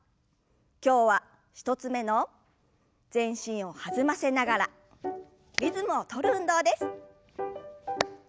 今日は１つ目の全身を弾ませながらリズムを取る運動です。